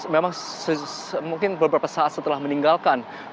memang mungkin beberapa saat setelah meninggalkan